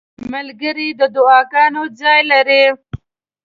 ملګری د دعاګانو ځای لري.